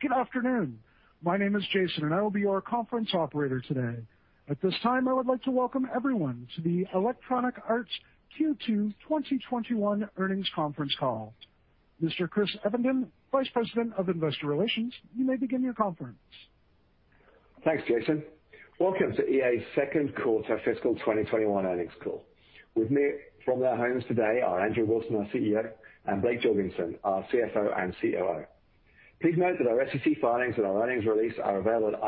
Good afternoon. My name is Jason, and I will be your conference operator today. At this time, I would like to welcome everyone to the Electronic Arts Q2 2021 Earnings Conference Call. Mr. Chris Evenden, Vice President of Investor Relations, you may begin your conference. Thanks, Jason. Welcome to EA's Second Quarter Fiscal 2021 Earnings Call. With me from their homes today are Andrew Wilson, our CEO, and Blake Jorgensen, our CFO and COO. Please note that our SEC filings and our earnings release are available at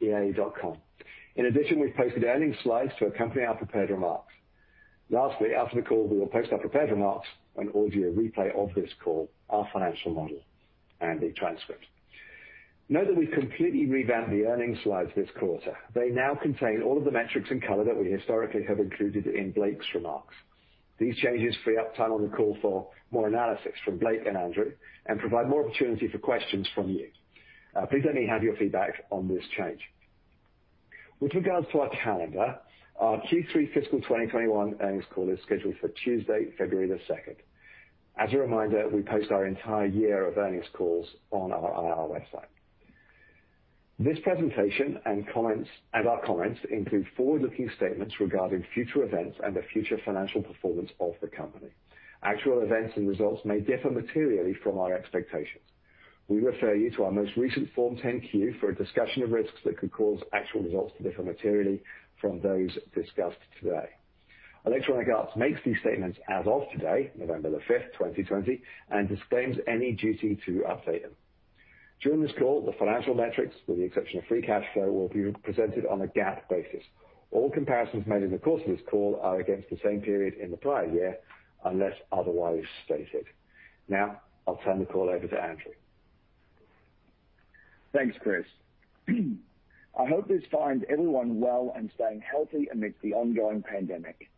ir.ea.com. We've posted earnings slides to accompany our prepared remarks. After the call, we will post our prepared remarks, an audio replay of this call, our financial model, and a transcript. We've completely revamped the earnings slides this quarter. They now contain all of the metrics and color that we historically have included in Blake's remarks. These changes free up time on the call for more analysis from Blake and Andrew and provide more opportunity for questions from you. Please let me have your feedback on this change. With regards to our calendar, our Q3 fiscal 2021 earnings call is scheduled for Tuesday, February 2nd. As a reminder, we post our entire year of earnings calls on our IR website. This presentation and our comments include forward-looking statements regarding future events and the future financial performance of the company. Actual events and results may differ materially from our expectations. We refer you to our most recent Form 10-Q for a discussion of risks that could cause actual results to differ materially from those discussed today. Electronic Arts makes these statements as of today, November 5th, 2020, and disclaims any duty to update them. During this call, the financial metrics, with the exception of free cash flow, will be presented on a GAAP basis. All comparisons made in the course of this call are against the same period in the prior year, unless otherwise stated. Now, I'll turn the call over to Andrew. Thanks, Chris. I hope this finds everyone well and staying healthy amidst the ongoing pandemic.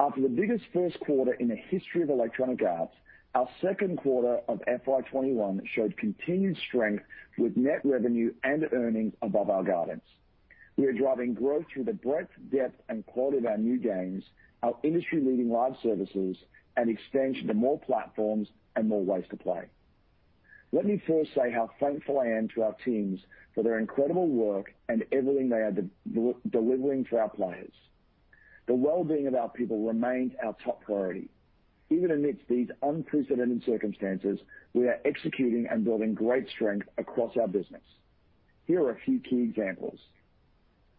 After the biggest first quarter in the history of Electronic Arts, our second quarter of FY 2021 showed continued strength with net revenue and earnings above our guidance. We are driving growth through the breadth, depth, and quality of our new games, our industry-leading live services, and expansion to more platforms and more ways to play. Let me first say how thankful I am to our teams for their incredible work and everything they are delivering to our players. The well-being of our people remains our top priority. Even amidst these unprecedented circumstances, we are executing and building great strength across our business. Here are a few key examples.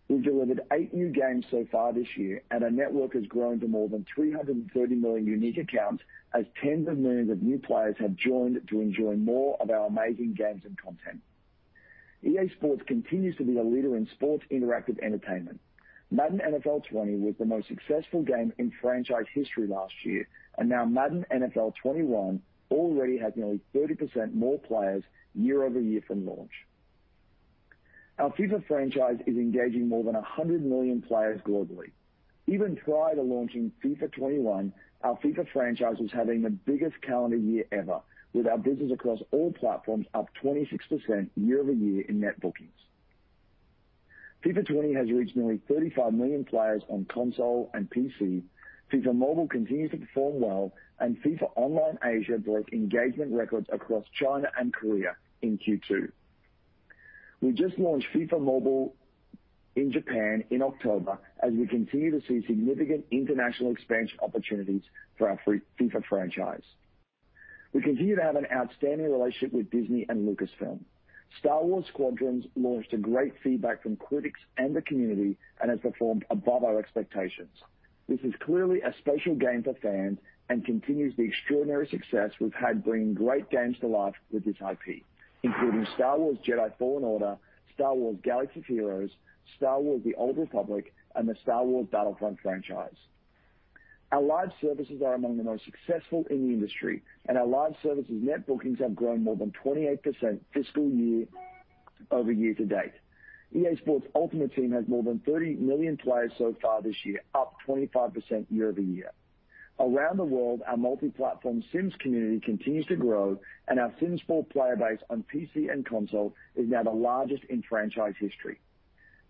We've delivered eight new games so far this year, and our network has grown to more than 330 million unique accounts as tens of millions of new players have joined to enjoy more of our amazing games and content. EA Sports continues to be a leader in sports interactive entertainment. Madden NFL 20 was the most successful game in franchise history last year, and now Madden NFL 21 already has nearly 30% more players year-over-year from launch. Our FIFA franchise is engaging more than 100 million players globally. Even prior to launching FIFA 21, our FIFA franchise was having the biggest calendar year ever, with our business across all platforms up 26% year-over-year in net bookings. FIFA 20 has reached nearly 35 million players on console and PC. FIFA Mobile continues to perform well, and FIFA Online Asia broke engagement records across China and Korea in Q2. We just launched FIFA Mobile in Japan in October as we continue to see significant international expansion opportunities for our FIFA franchise. We continue to have an outstanding relationship with Disney and Lucasfilm. Star Wars: Squadrons launched to great feedback from critics and the community and has performed above our expectations. This is clearly a special game for fans and continues the extraordinary success we've had bringing great games to life with this IP, including Star Wars Jedi: Fallen Order, Star Wars: Galaxy of Heroes, Star Wars: The Old Republic, and the Star Wars Battlefront franchise. Our live services are among the most successful in the industry, and our live services net bookings have grown more than 28% fiscal year-over-year to date. EA Sports Ultimate Team has more than 30 million players so far this year, up 25% year-over-year. Around the world, our multi-platform Sims community continues to grow, and our Sims 4 player base on PC and console is now the largest in franchise history.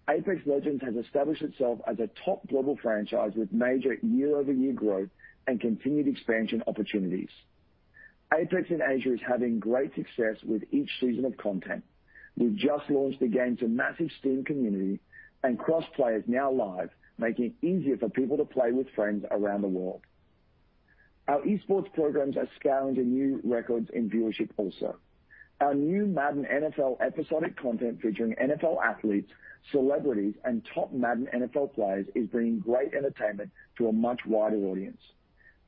Apex Legends has established itself as a top global franchise with major year-over-year growth and continued expansion opportunities. Apex in Asia is having great success with each season of content. We've just launched the game to massive Steam community and cross play is now live, making it easier for people to play with friends around the world. Our esports programs are soaring to new records in viewership also. Our new Madden NFL episodic content featuring NFL athletes, celebrities, and top Madden NFL players is bringing great entertainment to a much wider audience.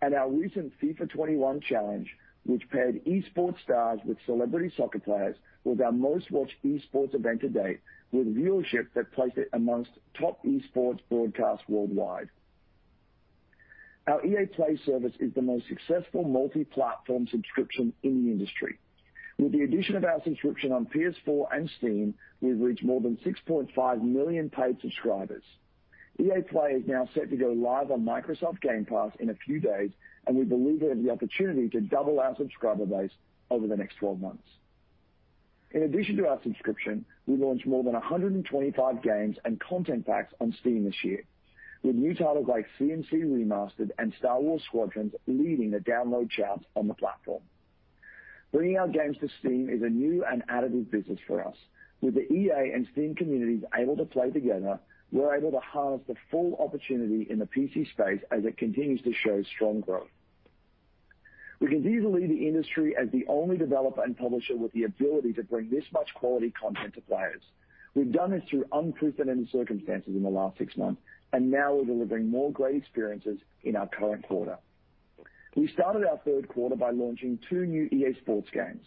Our recent FIFA 21 challenge, which paired esports stars with celebrity soccer players, was our most-watched esports event to date, with viewership that placed it among top esports broadcasts worldwide. Our EA Play service is the most successful multi-platform subscription in the industry. With the addition of our subscription on PS4 and Steam, we've reached more than 6.5 million paid subscribers. EA Play is now set to go live on Microsoft Game Pass in a few days, and we believe it has the opportunity to double our subscriber base over the next 12 months. In addition to our subscription, we launched more than 125 games and content packs on Steam this year, with new titles like C&C Remastered and Star Wars: Squadrons leading the download charts on the platform. Bringing our games to Steam is a new and additive business for us. With the EA and Steam communities able to play together, we're able to harness the full opportunity in the PC space as it continues to show strong growth. We continue to lead the industry as the only developer and publisher with the ability to bring this much quality content to players. We've done this through unprecedented circumstances in the last six months, and now we're delivering more great experiences in our current quarter. We started our third quarter by launching two new EA Sports games.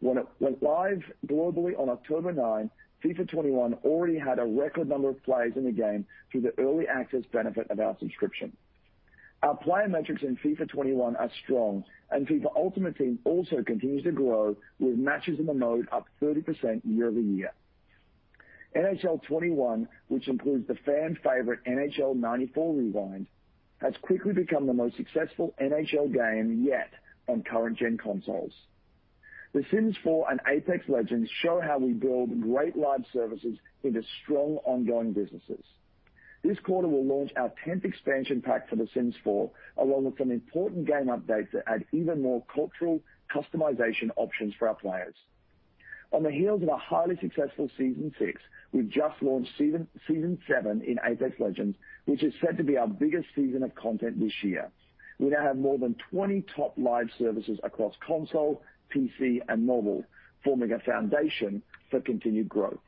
When it went live globally on October 9, FIFA 21 already had a record number of players in the game through the early access benefit of our subscription. Our player metrics in FIFA 21 are strong, and FIFA Ultimate Team also continues to grow, with matches in the mode up 30% year-over-year. NHL 21, which includes the fan favorite NHL 94 Rewind, has quickly become the most successful NHL game yet on current-gen consoles. The Sims 4 and Apex Legends show how we build great live services into strong ongoing businesses. This quarter we'll launch our 10th expansion pack for The Sims 4, along with some important game updates that add even more cultural customization options for our players. On the heels of a highly successful Season Six, we've just launched Season Seven in Apex Legends, which is set to be our biggest season of content this year. We now have more than 20 top live services across console, PC, and mobile, forming a foundation for continued growth.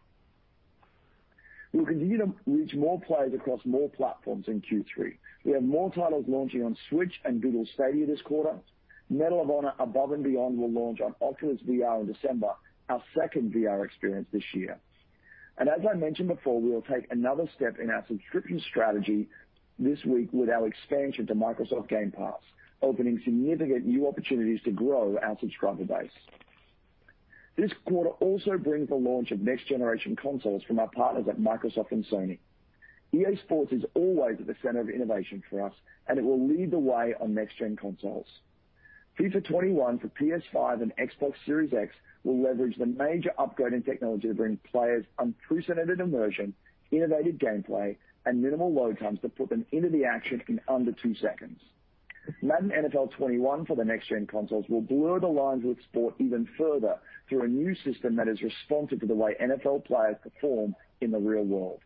We will continue to reach more players across more platforms in Q3. We have more titles launching on Switch and Google Stadia this quarter. Medal of Honor: Above and Beyond will launch on Oculus VR in December, our second VR experience this year. As I mentioned before, we will take another step in our subscription strategy this week with our expansion to Xbox Game Pass, opening significant new opportunities to grow our subscriber base. This quarter also brings the launch of next-generation consoles from our partners at Microsoft and Sony. EA Sports is always at the center of innovation for us, and it will lead the way on next-gen consoles. FIFA 21 for PS5 and Xbox Series X will leverage the major upgrade in technology to bring players unprecedented immersion, innovative gameplay, and minimal load times that put them into the action in under two seconds. Madden NFL 21 for the next-gen consoles will blur the lines with sport even further through a new system that is responsive to the way NFL players perform in the real world.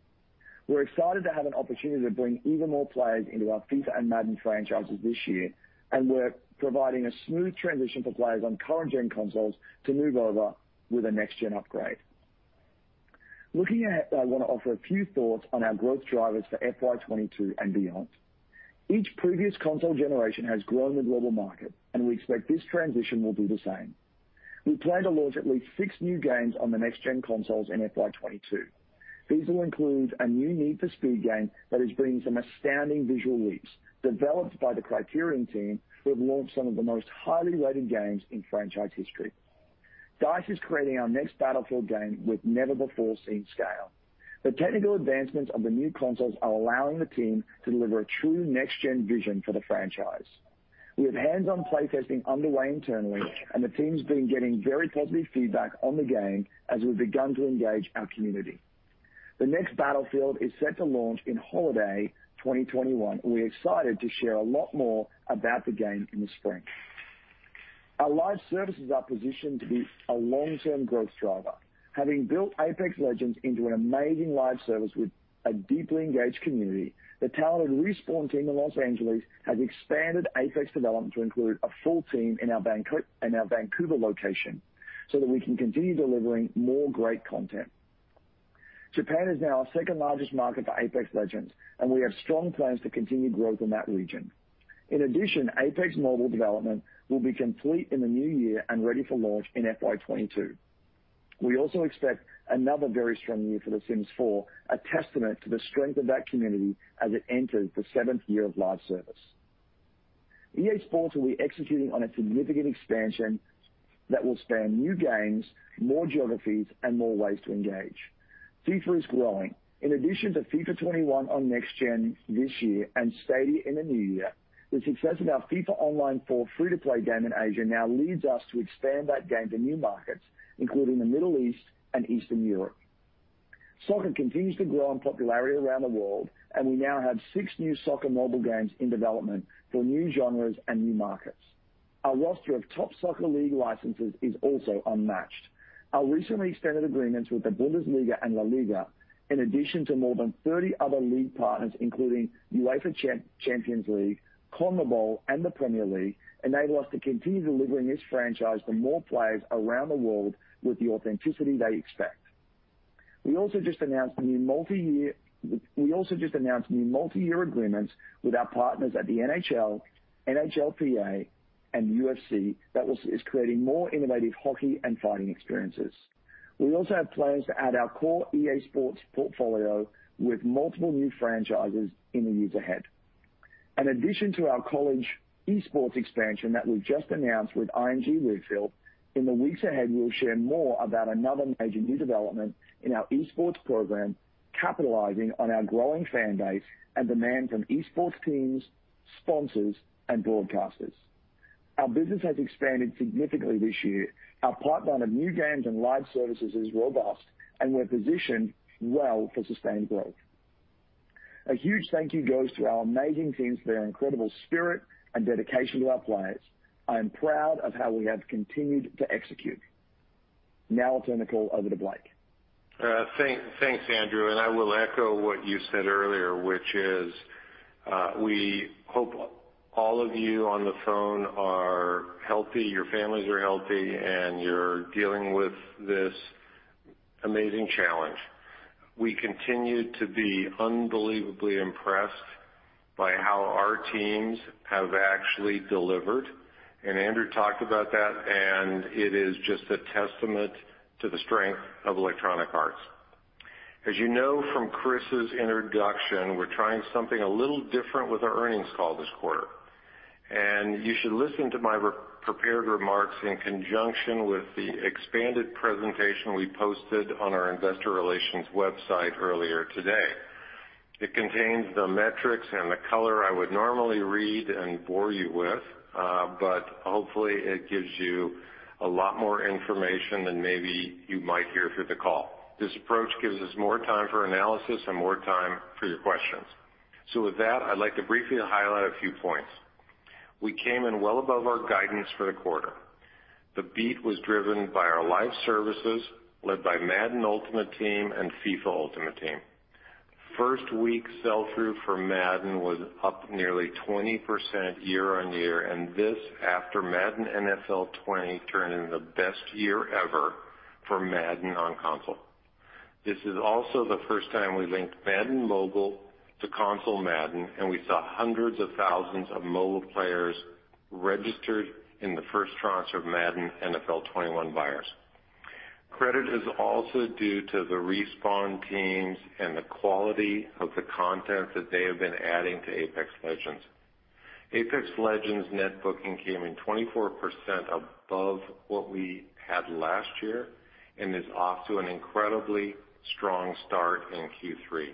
We're excited to have an opportunity to bring even more players into our FIFA and Madden franchises this year, and we're providing a smooth transition for players on current-gen consoles to move over with a next-gen upgrade. Looking ahead, I want to offer a few thoughts on our growth drivers for FY 2022 and beyond. Each previous console generation has grown the global market, and we expect this transition will be the same. We plan to launch at least six new games on the next-gen consoles in FY 2022. These will include a new Need for Speed game that is bringing some astounding visual leaps, developed by the Criterion team, who have launched some of the most highly rated games in franchise history. DICE is creating our next Battlefield game with never-before-seen scale. The technical advancements of the new consoles are allowing the team to deliver a true next-gen vision for the franchise. We have hands-on play testing underway internally, and the team's been getting very positive feedback on the game as we've begun to engage our community. The next Battlefield is set to launch in holiday 2021. We're excited to share a lot more about the game in the spring. Our live services are positioned to be a long-term growth driver. Having built Apex Legends into an amazing live service with a deeply engaged community, the talented Respawn team in Los Angeles has expanded Apex development to include a full team in our Vancouver location so that we can continue delivering more great content. Japan is now our second-largest market for Apex Legends, and we have strong plans to continue growth in that region. Apex mobile development will be complete in the new year and ready for launch in FY 2022. We also expect another very strong year for The Sims 4, a testament to the strength of that community as it enters the seventh year of live service. EA Sports will be executing on a significant expansion that will span new games, more geographies, and more ways to engage. FIFA is growing. In addition to FIFA 21 on next gen this year and Stadia in the new year, the success of our FIFA Online 4 free-to-play game in Asia now leads us to expand that game to new markets, including the Middle East and Eastern Europe. Soccer continues to grow in popularity around the world, we now have six new soccer mobile games in development for new genres and new markets. Our roster of top Soccer League licenses is also unmatched. Our recently extended agreements with the Bundesliga and La Liga, in addition to more than 30 other league partners, including UEFA Champions League, CONMEBOL, and the Premier League, enable us to continue delivering this franchise to more players around the world with the authenticity they expect. We also just announced new multi-year agreements with our partners at the NHL, NHLPA, and UFC that is creating more innovative hockey and fighting experiences. We also have plans to add our core EA Sports portfolio with multiple new franchises in the years ahead. In addition to our college esports expansion that we just announced with Learfield IMG College, in the weeks ahead, we will share more about another major new development in our esports program, capitalizing on our growing fan base and demand from esports teams, sponsors, and broadcasters. Our business has expanded significantly this year. Our pipeline of new games and live services is robust, and we're positioned well for sustained growth. A huge thank you goes to our amazing teams for their incredible spirit and dedication to our players. I am proud of how we have continued to execute. Now I'll turn the call over to Blake. Thanks, Andrew. I will echo what you said earlier, which is we hope all of you on the phone are healthy, your families are healthy, and you're dealing with this amazing challenge. We continue to be unbelievably impressed by how our teams have actually delivered. Andrew talked about that. It is just a testament to the strength of Electronic Arts. As you know from Chris's introduction, we're trying something a little different with our earnings call this quarter. You should listen to my prepared remarks in conjunction with the expanded presentation we posted on `ir.ea.com` earlier today. It contains the metrics and the color I would normally read and bore you with, but hopefully it gives you a lot more information than maybe you might hear through the call. This approach gives us more time for analysis and more time for your questions. With that, I'd like to briefly highlight a few points. We came in well above our guidance for the quarter. The beat was driven by our live services, led by Madden Ultimate Team and FIFA Ultimate Team. First-week sell-through for Madden was up nearly 20% year-on-year, and this after Madden NFL 20 turned in the best year ever for Madden on console. This is also the first time we linked Madden Mobile to console Madden, and we saw hundreds of thousands of mobile players registered in the first tranche of Madden NFL 21 buyers. Credit is also due to the Respawn teams and the quality of the content that they have been adding to Apex Legends. Apex Legends net booking came in 24% above what we had last year and is off to an incredibly strong start in Q3.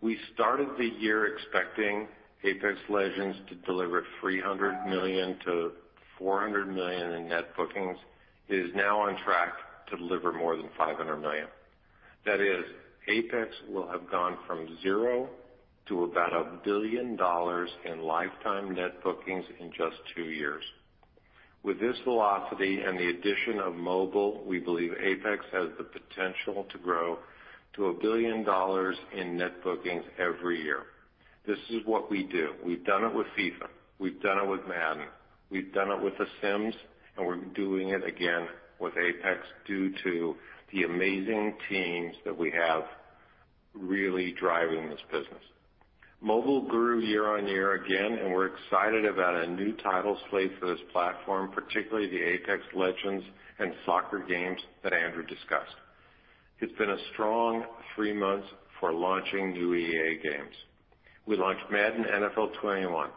We started the year expecting Apex Legends to deliver $300 million to $400 million in net bookings. It is now on track to deliver more than $500 million. That is, Apex will have gone from zero to about $1 billion in lifetime net bookings in just two years. With this velocity and the addition of mobile, we believe Apex has the potential to grow to $1 billion in net bookings every year. This is what we do. We've done it with FIFA. We've done it with Madden. We've done it with The Sims, and we're doing it again with Apex due to the amazing teams that we have really driving this business. Mobile grew year-over-year again, and we're excited about a new title slate for this platform, particularly the Apex Legends and soccer games that Andrew discussed. It's been a strong three months for launching new EA Games. We launched Madden NFL 21,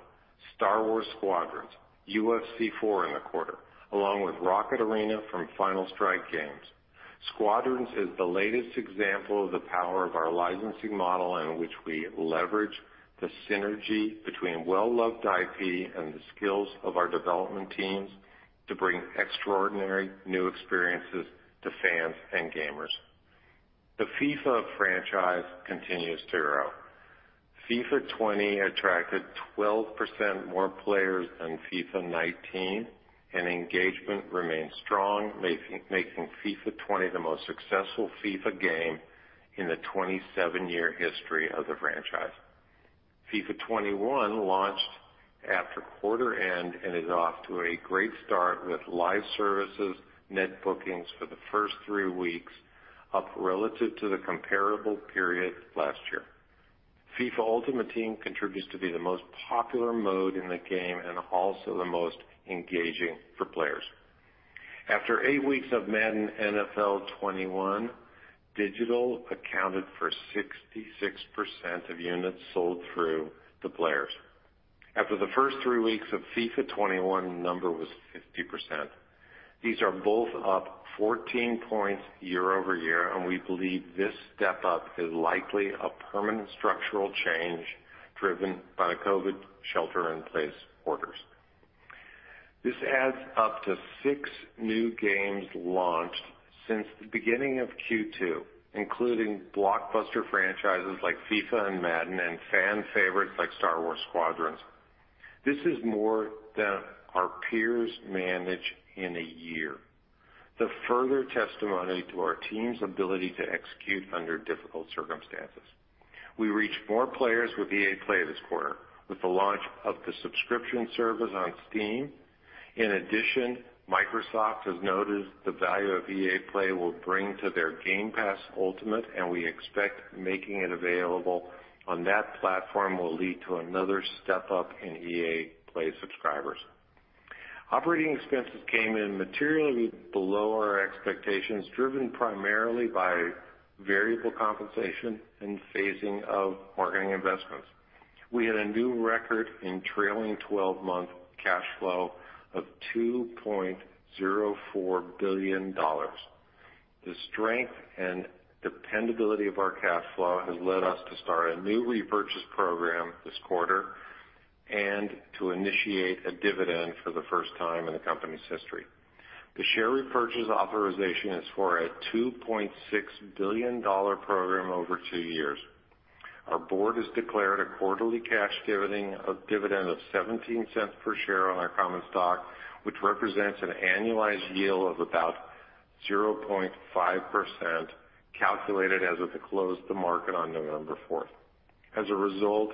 Star Wars: Squadrons, UFC 4 in the quarter, along with Rocket Arena from Final Strike Games. Squadrons is the latest example of the power of our licensing model in which we leverage the synergy between well-loved IP and the skills of our development teams to bring extraordinary new experiences to fans and gamers. The FIFA franchise continues to grow. FIFA 20 attracted 12% more players than FIFA 19, and engagement remains strong, making FIFA 20 the most successful FIFA game in the 27-year history of the franchise. FIFA 21 launched after quarter end and is off to a great start with live services net bookings for the first three weeks up relative to the comparable period last year. FIFA Ultimate Team continues to be the most popular mode in the game and also the most engaging for players. After eight weeks of Madden NFL 21, digital accounted for 66% of units sold through to players. After the first three weeks of FIFA 21, the number was 50%. These are both up 14 points year-over-year, and we believe this step-up is likely a permanent structural change driven by the COVID shelter-in-place orders. This adds up to six new games launched since the beginning of Q2, including blockbuster franchises like FIFA and Madden and fan favorites like Star Wars: Squadrons. This is more than our peers manage in a year. This is further testimony to our team's ability to execute under difficult circumstances. We reached more players with EA Play this quarter with the launch of the subscription service on Steam. Microsoft has noticed the value of EA Play will bring to their Game Pass Ultimate, and we expect making it available on that platform will lead to another step-up in EA Play subscribers. Operating expenses came in materially below our expectations, driven primarily by variable compensation and phasing of marketing investments. We had a new record in trailing 12-month cash flow of $2.04 billion. The strength and dependability of our cash flow has led us to start a new repurchase program this quarter and to initiate a dividend for the first time in the company's history. The share repurchase authorization is for a $2.6 billion program over two years. Our board has declared a quarterly cash dividend of $0.17 per share on our common stock, which represents an annualized yield of about 0.5%, calculated as of the close of the market on November 4th. As a result,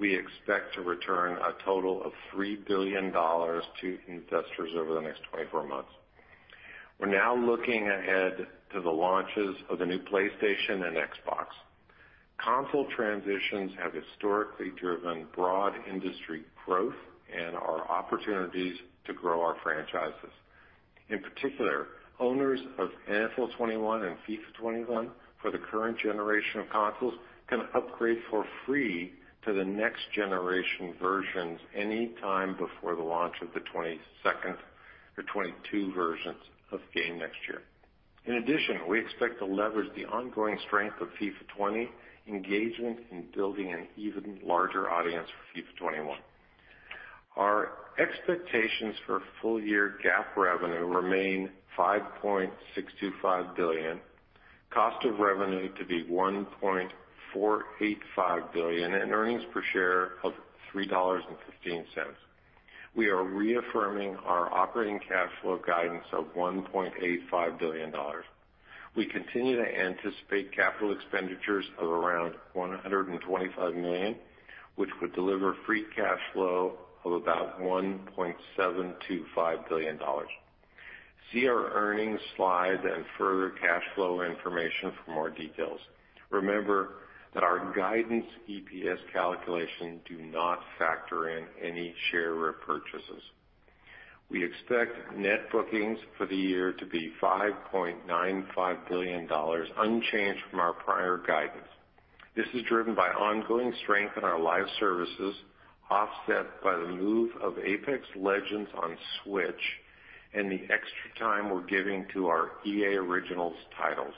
we expect to return a total of $3 billion to investors over the next 24 months. We're now looking ahead to the launches of the new PlayStation and Xbox. Console transitions have historically driven broad industry growth and are opportunities to grow our franchises. In particular, owners of NFL 21 and FIFA 21 for the current generation of consoles can upgrade for free to the next generation versions any time before the launch of the 22 versions of the game next year. In addition, we expect to leverage the ongoing strength of FIFA 20 engagement in building an even larger audience for FIFA 21. Our expectations for full year GAAP revenue remain $5.625 billion, cost of revenue to be $1.485 billion, and earnings per share of $3.15. We are reaffirming our operating cash flow guidance of $1.85 billion. We continue to anticipate capital expenditures of around $125 million, which would deliver free cash flow of about $1.725 billion. See our earnings slide and further cash flow information for more details. Remember that our guidance EPS calculation do not factor in any share repurchases. We expect net bookings for the year to be $5.95 billion, unchanged from our prior guidance. This is driven by ongoing strength in our live services, offset by the move of Apex Legends on Switch and the extra time we're giving to our EA Originals titles.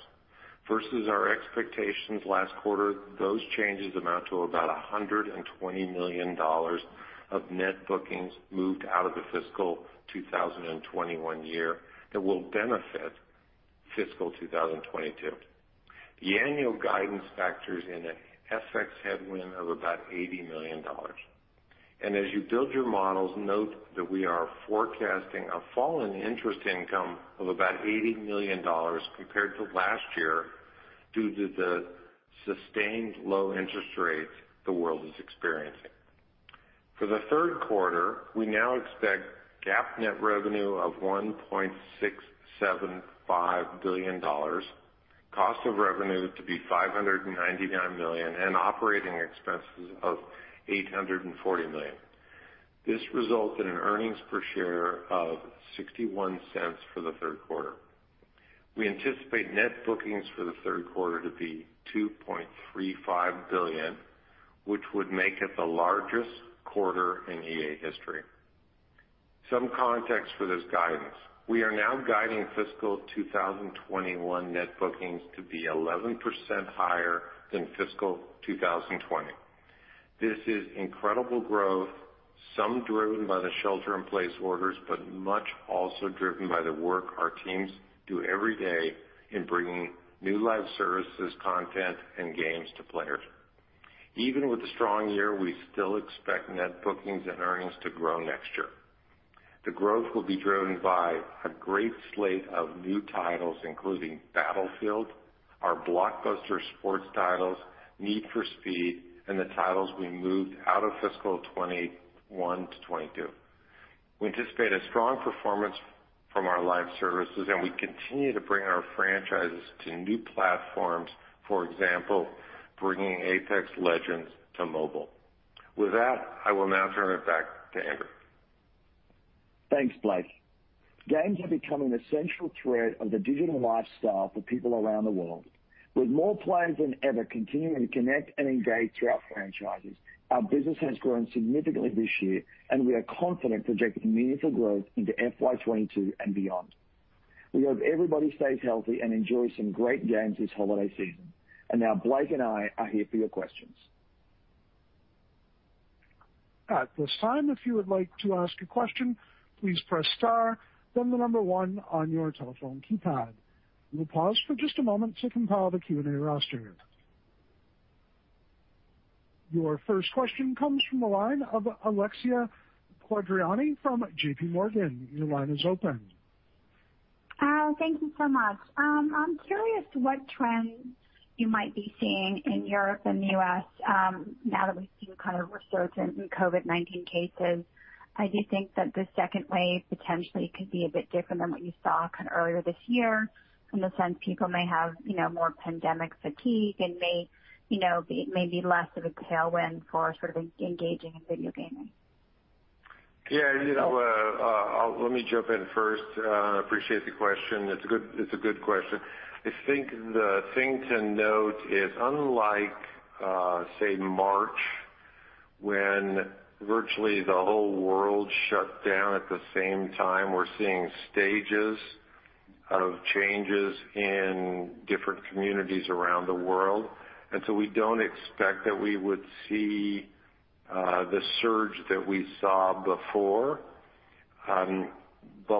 Versus our expectations last quarter, those changes amount to about $120 million of net bookings moved out of the fiscal 2021 year that will benefit fiscal 2022. The annual guidance factors in an FX headwind of about $80 million. As you build your models, note that we are forecasting a fall in interest income of about $80 million compared to last year due to the sustained low interest rates the world is experiencing. For the third quarter, we now expect GAAP net revenue of $1.675 billion, cost of revenue to be $599 million, and operating expenses of $840 million. This results in an earnings per share of $0.61 for the third quarter. We anticipate net bookings for the third quarter to be $2.35 billion, which would make it the largest quarter in EA history. Some context for this guidance. We are now guiding fiscal 2021 net bookings to be 11% higher than fiscal 2020. This is incredible growth, some driven by the shelter in place orders, but much also driven by the work our teams do every day in bringing new live services, content, and games to players. Even with the strong year, we still expect net bookings and earnings to grow next year. The growth will be driven by a great slate of new titles, including Battlefield, our blockbuster sports titles, Need for Speed, and the titles we moved out of fiscal 2021 to 2022. We anticipate a strong performance from our live services, and we continue to bring our franchises to new platforms. For example, bringing Apex Legends to mobile. With that, I will now turn it back to Andrew. Thanks, Blake. Games are becoming an essential thread of the digital lifestyle for people around the world. With more players than ever continuing to connect and engage through our franchises, our business has grown significantly this year, and we are confident projecting meaningful growth into FY 2022 and beyond. We hope everybody stays healthy and enjoys some great games this holiday season. Now Blake and I are here for your questions. At this time, if you would like to ask a question, please press star, then the number one on your telephone keypad. We'll pause for just a moment to compile the Q&A roster. Your first question comes from the line of Alexia Quadrani from JPMorgan. Your line is open. Thank you so much. I'm curious what trends you might be seeing in Europe and the U.S. now that we've seen a kind of resurgence in COVID-19 cases. I do think that the second wave potentially could be a bit different than what you saw kind of earlier this year in the sense people may have more pandemic fatigue and may be maybe less of a tailwind for sort of engaging in video gaming. Yeah. Let me jump in first. I appreciate the question. It's a good question. I think the thing to note is unlike, say, March, when virtually the whole world shut down at the same time, we're seeing stages of changes in different communities around the world. We don't expect that we would see the surge that we saw before.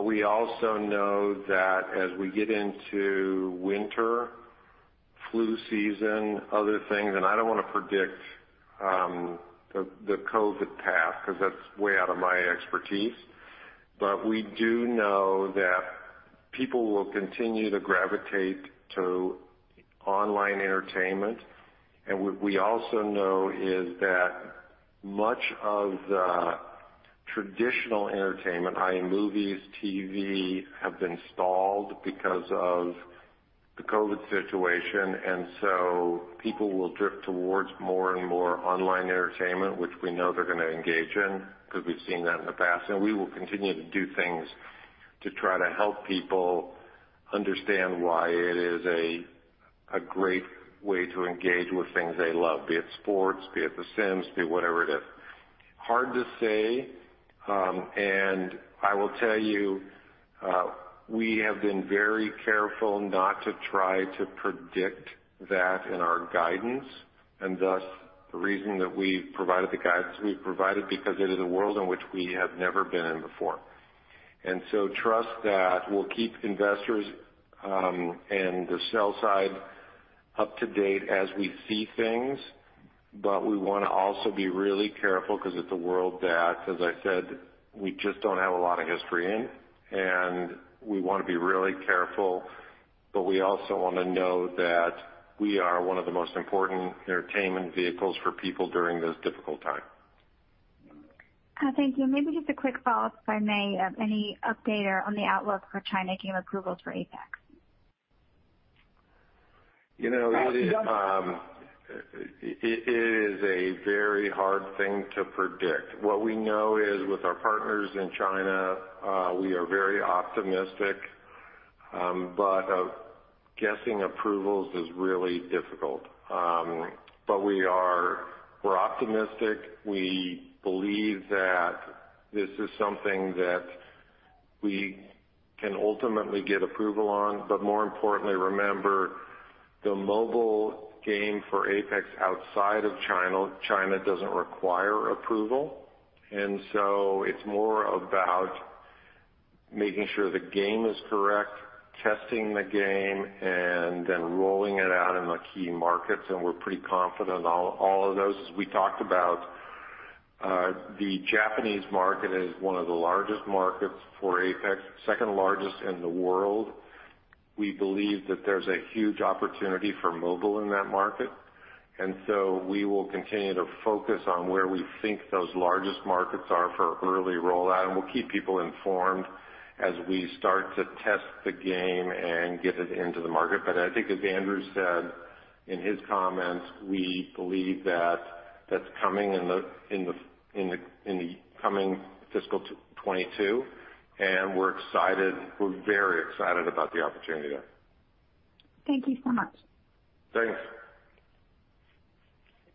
We also know that as we get into winter, flu season, other things, and I don't want to predict the COVID path, because that's way out of my expertise. We do know that people will continue to gravitate to online entertainment. What we also know is that much of the traditional entertainment movies, TV, have been stalled because of the COVID situation. People will drift towards more and more online entertainment, which we know they're going to engage in because we've seen that in the past. We will continue to do things to try to help people understand why it is a great way to engage with things they love, be it sports, be it The Sims, be it whatever it is. Hard to say. I will tell you, we have been very careful not to try to predict that in our guidance, and thus the reason that we've provided the guidance we've provided, because it is a world in which we have never been in before. Trust that we'll keep investors and the sell side up to date as we see things. We want to also be really careful because it's a world that, as I said, we just don't have a lot of history in, and we want to be really careful. We also want to know that we are one of the most important entertainment vehicles for people during this difficult time. Thank you. Maybe just a quick follow-up, if I may. Any update on the outlook for China game approvals for Apex? It is a very hard thing to predict. What we know is with our partners in China, we are very optimistic. Guessing approvals is really difficult. We're optimistic. We believe that this is something that we can ultimately get approval on. More importantly, remember the mobile game for Apex outside of China doesn't require approval. It's more about making sure the game is correct, testing the game, and then rolling it out in the key markets. We're pretty confident on all of those. As we talked about, the Japanese market is one of the largest markets for Apex, second largest in the world. We believe that there's a huge opportunity for mobile in that market. We will continue to focus on where we think those largest markets are for early rollout, and we'll keep people informed as we start to test the game and get it into the market. I think as Andrew said in his comments, we believe that that's coming in the coming fiscal 2022. We're very excited about the opportunity there. Thank you so much. Thanks.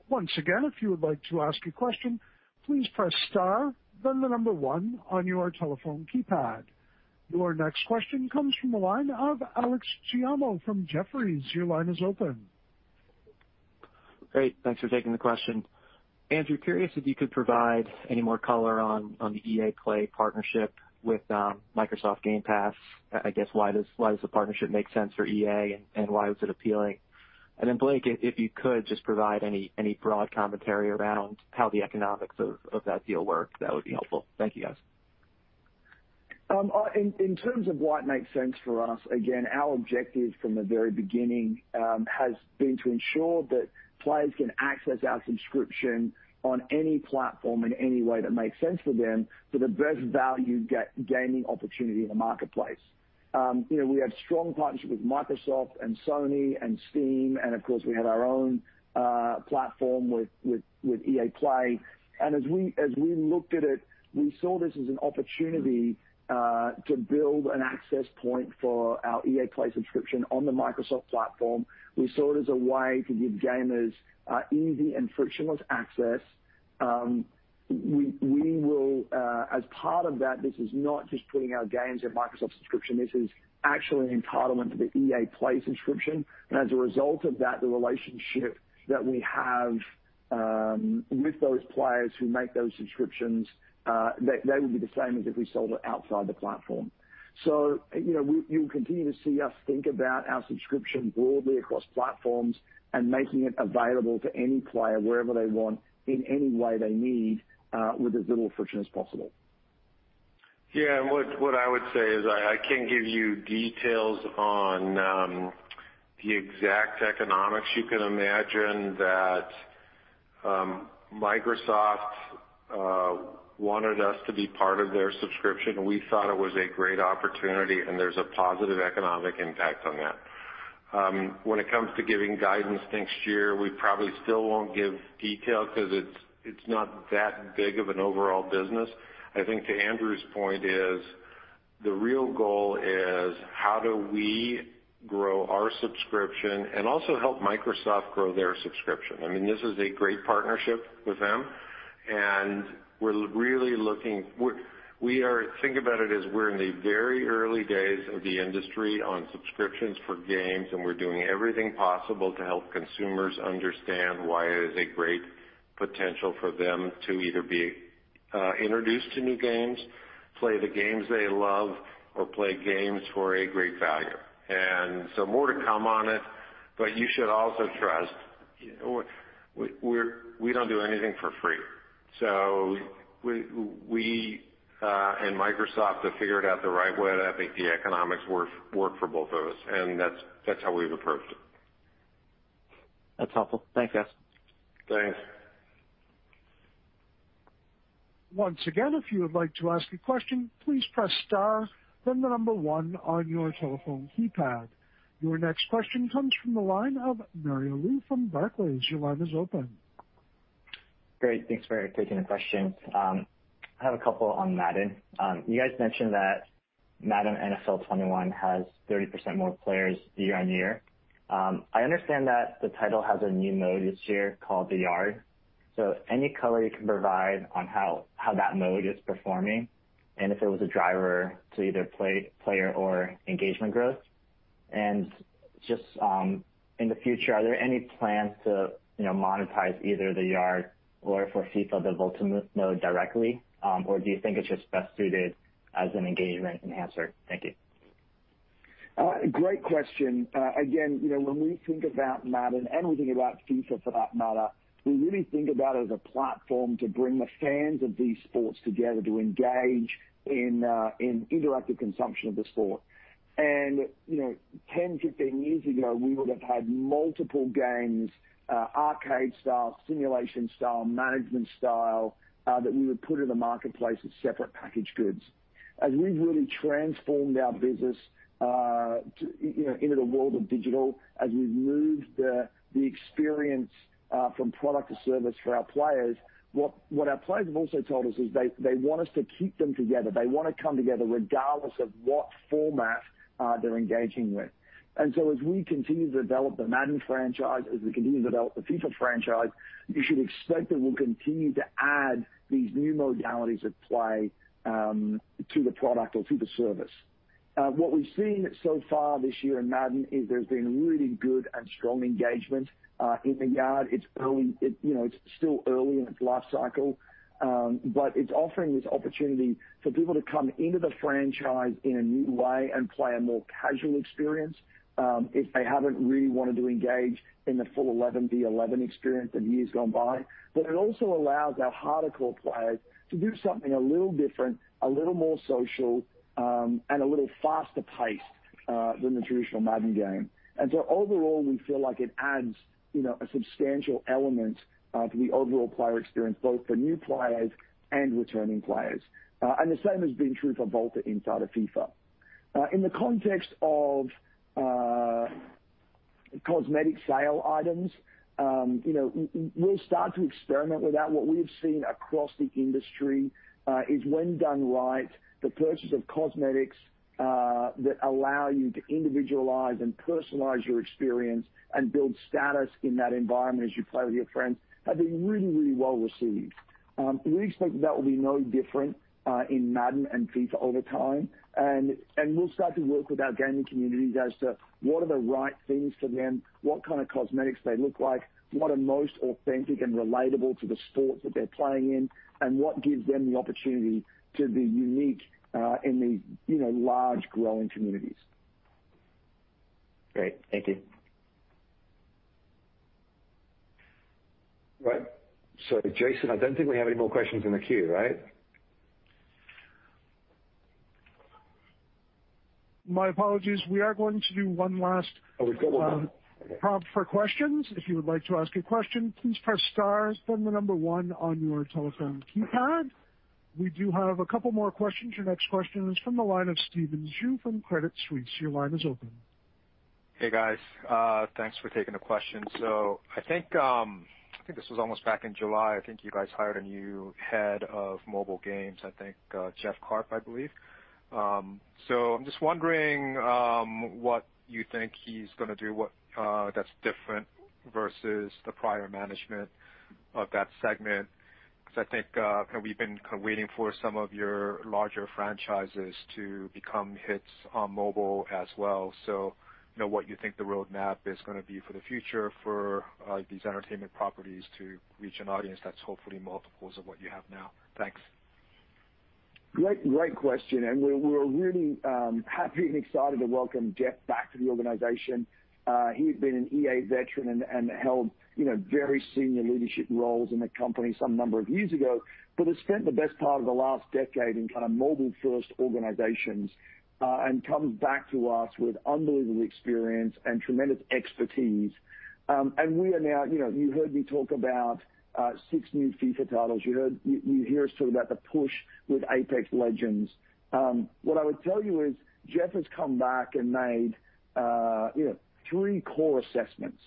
Once again, if you would like to ask a question, please press star, then the number one on your telephone keypad. Your next question comes from the line of Alex Giaimo from Jefferies. Your line is open. Great. Thanks for taking the question. Andrew, curious if you could provide any more color on the EA Play partnership with Xbox Game Pass. I guess why does the partnership make sense for EA, and why was it appealing? Blake, if you could just provide any broad commentary around how the economics of that deal work, that would be helpful. Thank you, guys. In terms of why it makes sense for us, again, our objective from the very beginning has been to ensure that players can access our subscription on any platform in any way that makes sense for them for the best value gaming opportunity in the marketplace. We have strong partnerships with Microsoft and Sony and Steam, and of course, we have our own platform with EA Play. As we looked at it, we saw this as an opportunity to build an access point for our EA Play subscription on the Microsoft platform. We saw it as a way to give gamers easy and frictionless access. As part of that, this is not just putting our games in Microsoft subscription. This is actually an entitlement to the EA Play subscription. As a result of that, the relationship that we have with those players who make those subscriptions, they will be the same as if we sold it outside the platform. You'll continue to see us think about our subscription broadly across platforms and making it available to any player wherever they want in any way they need with as little friction as possible. Yeah. What I would say is I can't give you details on the exact economics. You can imagine that Microsoft wanted us to be part of their subscription. We thought it was a great opportunity, and there's a positive economic impact on that. When it comes to giving guidance next year, we probably still won't give details because it's not that big of an overall business. I think to Andrew's point is the real goal is how do we grow our subscription and also help Microsoft grow their subscription. This is a great partnership with them. Think about it as we're in the very early days of the industry on subscriptions for games, and we're doing everything possible to help consumers understand why it is a great potential for them to either be introduced to new games, play the games they love, or play games for a great value. More to come on it, but you should also trust, we don't do anything for free. We and Microsoft have figured out the right way that I think the economics work for both of us, and that's how we've approached it. That's helpful. Thanks, guys. Thanks. Once again, if you would like to ask a question, please press star then the number one on your telephone keypad. Your next question comes from the line of Mario Lu from Barclays. Your line is open. Great. Thanks for taking the question. I have a couple on Madden. You guys mentioned that Madden NFL 21 has 30% more players year-over-year. I understand that the title has a new mode this year called The Yard. Any color you can provide on how that mode is performing and if it was a driver to either player or engagement growth. Just in the future, are there any plans to monetize either The Yard or for FIFA, the Volta mode directly, or do you think it's just best suited as an engagement enhancer? Thank you. Great question. Again, when we think about Madden, and we think about FIFA for that matter, we really think about it as a platform to bring the fans of these sports together to engage in interactive consumption of the sport. 10, 15 years ago, we would have had multiple games, arcade style, simulation style, management style, that we would put in the marketplace as separate packaged goods. As we've really transformed our business into the world of digital, as we've moved the experience from product to service for our players, what our players have also told us is they want us to keep them together. They want to come together regardless of what format they're engaging with. As we continue to develop the Madden franchise, as we continue to develop the FIFA franchise, you should expect that we'll continue to add these new modalities of play to the product or to the service. What we've seen so far this year in Madden is there's been really good and strong engagement in The Yard. It's still early in its life cycle, but it's offering this opportunity for people to come into the franchise in a new way and play a more casual experience if they haven't really wanted to engage in the full 11v11 experience in years gone by. It also allows our hardcore players to do something a little different, a little more social, and a little faster paced than the traditional Madden game. Overall, we feel like it adds a substantial element to the overall player experience, both for new players and returning players. The same has been true for Volta inside of FIFA. In the context of cosmetic sale items, we'll start to experiment with that. What we've seen across the industry is when done right, the purchase of cosmetics that allow you to individualize and personalize your experience and build status in that environment as you play with your friends have been really well received. We expect that will be no different in Madden and FIFA over time, and we'll start to work with our gaming communities as to what are the right things for them, what kind of cosmetics they look like, what are most authentic and relatable to the sports that they're playing in, and what gives them the opportunity to be unique in these large growing communities. Great. Thank you. Right. Jason, I don't think we have any more questions in the queue, right? My apologies. Oh, we've got one more. Okay. Prompt for questions. If you would like to ask a question, please press star then the number one on your telephone keypad. We do have a couple more questions. Your next question is from the line of Stephen Ju from Credit Suisse. Your line is open. Hey, guys. Thanks for taking the question. I think this was almost back in July. I think you guys hired a new head of mobile games, I think Jeff Karp, I believe. I'm just wondering what you think he's going to do that's different versus the prior management of that segment, because I think we've been waiting for some of your larger franchises to become hits on mobile as well. What you think the roadmap is going to be for the future for these entertainment properties to reach an audience that's hopefully multiples of what you have now. Thanks. Great question. We're really happy and excited to welcome Jeff back to the organization. He had been an EA veteran and held very senior leadership roles in the company some number of years ago, but has spent the best part of the last decade in mobile-first organizations and comes back to us with unbelievable experience and tremendous expertise. You heard me talk about six new FIFA titles. You hear us talk about the push with Apex Legends. What I would tell you is Jeff has come back and made three core assessments.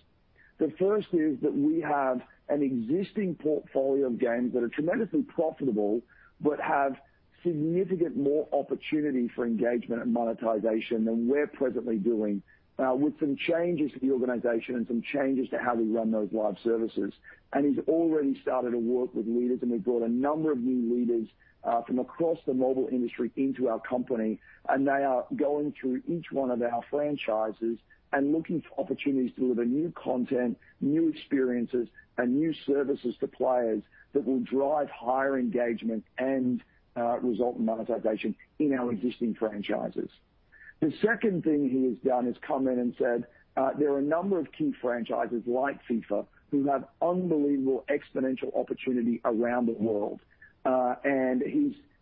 The first is that we have an existing portfolio of games that are tremendously profitable, but have significantly more opportunity for engagement and monetization than we're presently doing with some changes to the organization and some changes to how we run those live services. He's already started to work with leaders, and we've brought a number of new leaders from across the mobile industry into our company, and they are going through each one of our franchises and looking for opportunities to deliver new content, new experiences, and new services to players that will drive higher engagement and result in monetization in our existing franchises. The second thing he has done is come in and said, there are a number of key franchises like FIFA who have unbelievable exponential opportunity around the world.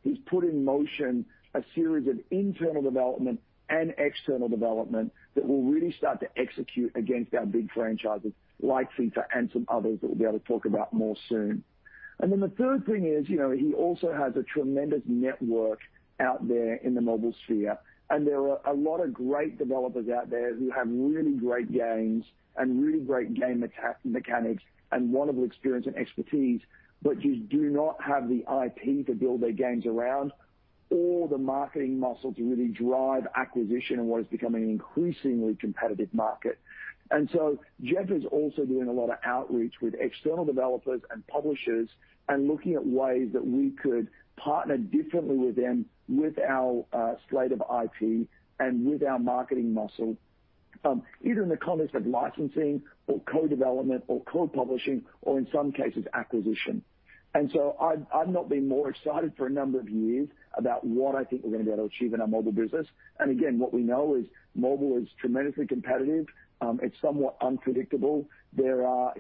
He's put in motion a series of internal development and external development that will really start to execute against our big franchises like FIFA and some others that we'll be able to talk about more soon. Then the third thing is he also has a tremendous network out there in the mobile sphere, and there are a lot of great developers out there who have really great games and really great game mechanics and wonderful experience and expertise. Just do not have the IP to build their games around or the marketing muscle to really drive acquisition in what is becoming an increasingly competitive market. Jeff is also doing a lot of outreach with external developers and publishers and looking at ways that we could partner differently with them, with our slate of IP and with our marketing muscle, either in the context of licensing or co-development or co-publishing or, in some cases, acquisition. I've not been more excited for a number of years about what I think we're going to be able to achieve in our mobile business. Again, what we know is mobile is tremendously competitive. It's somewhat unpredictable. There are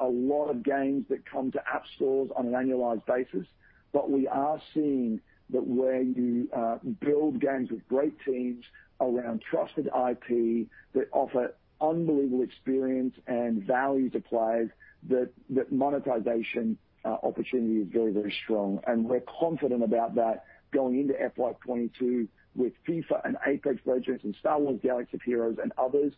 a lot of games that come to app stores on an annualized basis. We are seeing that where you build games with great teams around trusted IP that offer unbelievable experience and value to players, that monetization opportunity is very, very strong. We're confident about that going into FY 2022 with FIFA and Apex Legends and Star Wars: Galaxy of Heroes and others.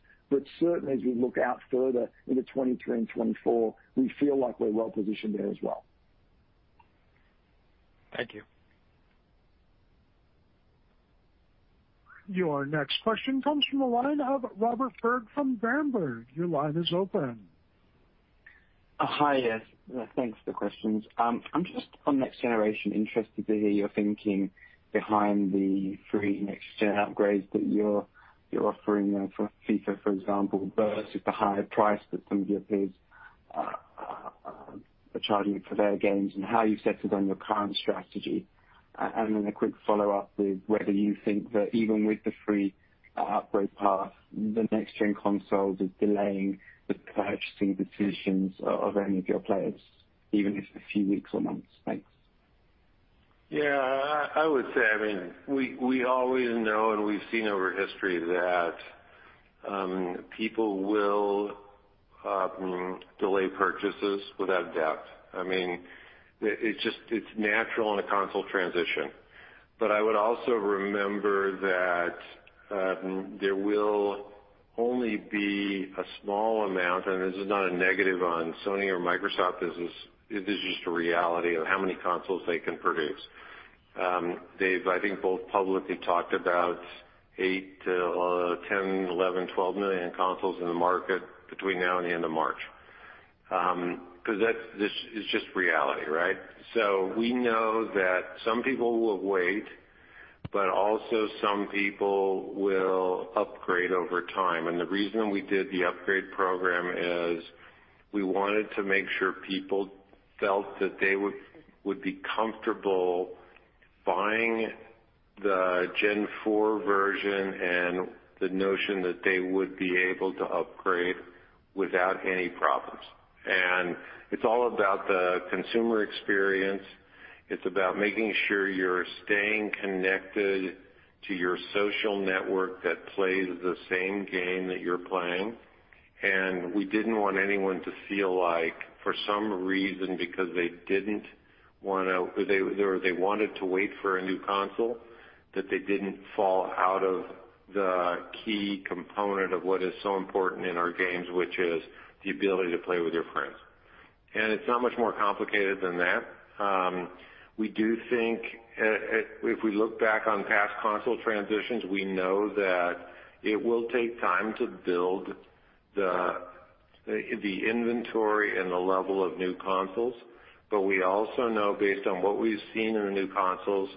Certainly, as we look out further into 2023 and 2024, we feel like we're well positioned there as well. Thank you. Your next question comes from the line of Robert Berg from Berenberg. Your line is open. Hi, yes. Thanks for the questions. I'm just, on next generation, interested to hear your thinking behind the free next-gen upgrades that you're offering for FIFA, for example, versus the higher price that some of your peers are charging for their games and how you've settled on your current strategy. A quick follow-up with whether you think that even with the free upgrade path, the next-gen consoles is delaying the purchasing decisions of any of your players, even if it's a few weeks or months. Thanks. I would say we always know, and we've seen over history that people will delay purchases without a doubt. It's natural in a console transition. I would also remember that there will only be a small amount, and this is not a negative on Sony or Microsoft. This is just a reality of how many consoles they can produce. They've, I think, both publicly talked about eight to 10, 11, 12 million consoles in the market between now and the end of March. This is just reality, right? We know that some people will wait, but also some people will upgrade over time. The reason we did the upgrade program is we wanted to make sure people felt that they would be comfortable buying the Gen 4 version and the notion that they would be able to upgrade without any problems. It's all about the consumer experience. It's about making sure you're staying connected to your social network that plays the same game that you're playing. We didn't want anyone to feel like for some reason, because they wanted to wait for a new console, that they didn't fall out of the key component of what is so important in our games, which is the ability to play with your friends. It's not much more complicated than that. We do think if we look back on past console transitions, we know that it will take time to build the inventory and the level of new consoles. We also know, based on what we've seen in the new consoles,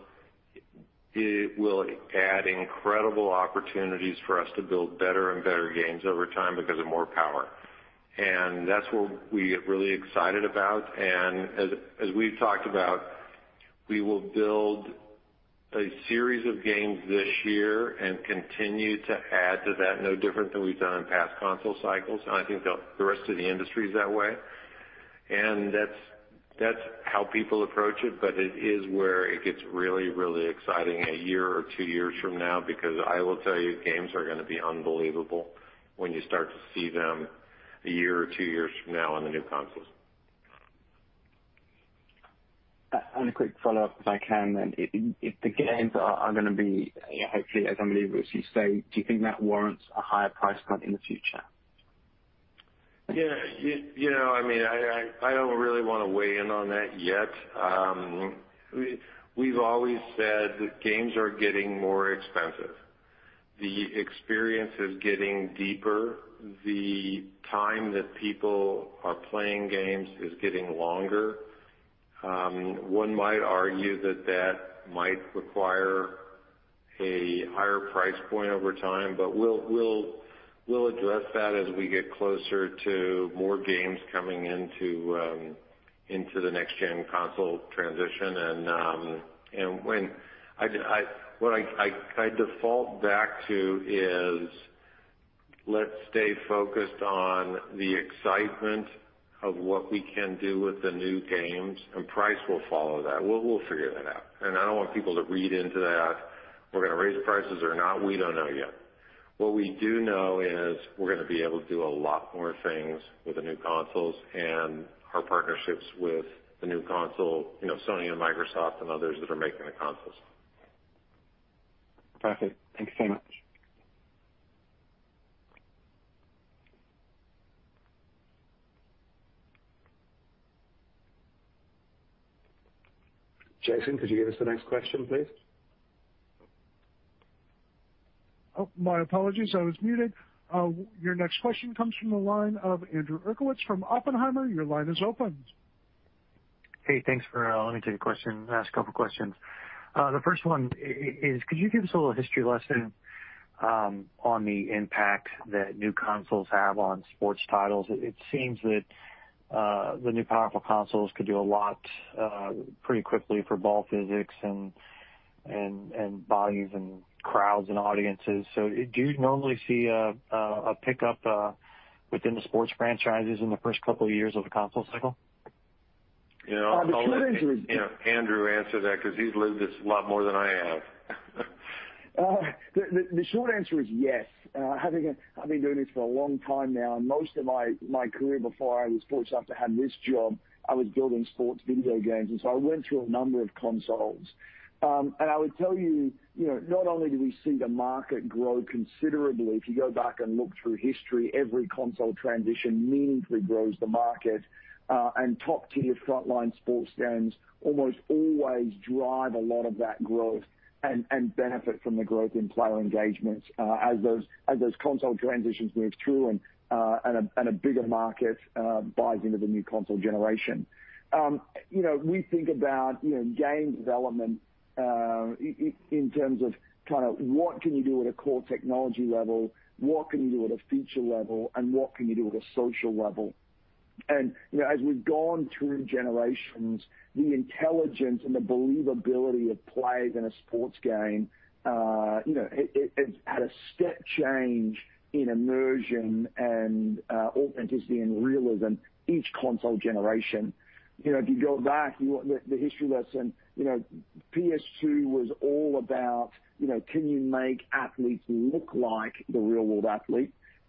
it will add incredible opportunities for us to build better and better games over time because of more power. That's what we get really excited about. As we've talked about, we will build a series of games this year and continue to add to that, no different than we've done in past console cycles. I think the rest of the industry is that way, and that's how people approach it. It is where it gets really, really exciting a year or two years from now, because I will tell you, games are going to be unbelievable when you start to see them a year or two years from now on the new consoles. A quick follow-up if I can then. If the games are going to be hopefully as ambitious as you say, do you think that warrants a higher price point in the future? I don't really want to weigh in on that yet. We've always said that games are getting more expensive. The experience is getting deeper. The time that people are playing games is getting longer. One might argue that that might require a higher price point over time. We'll address that as we get closer to more games coming into the next-gen console transition. What I default back to is let's stay focused on the excitement of what we can do with the new games, and price will follow that. We'll figure that out. I don't want people to read into that. We're going to raise prices or not, we don't know yet. What we do know is we're going to be able to do a lot more things with the new consoles and our partnerships with the new console, Sony and Microsoft and others that are making the consoles. Perfect. Thank you so much. Jason, could you give us the next question, please? Oh, my apologies. I was muted. Your next question comes from the line of Andrew Uerkwitz from Oppenheimer. Your line is open. Hey, thanks for letting me take the last couple of questions. The first one is, could you give us a little history lesson on the impact that new consoles have on sports titles? It seems that the new powerful consoles could do a lot pretty quickly for ball physics and bodies and crowds and audiences. Do you normally see a pickup within the sports franchises in the first couple of years of the console cycle? I'll let Andrew answer that because he's lived this a lot more than I have. The short answer is yes. Having been doing this for a long time now, and most of my career before I was fortunate enough to have this job, I was building sports video games. So I went through a number of consoles. I would tell you, not only do we see the market grow considerably, if you go back and look through history, every console transition meaningfully grows the market, and top-tier frontline sports games almost always drive a lot of that growth and benefit from the growth in player engagement as those console transitions move through and a bigger market buys into the new console generation. We think about game development in terms of what can you do at a core technology level, what can you do at a feature level, and what can you do at a social level. As we've gone through generations, the intelligence and the believability of plays in a sports game it's at a step change in immersion and authenticity and realism each console generation. If you go back, the history lesson, PS2 was all about can you make athletes look like the real-world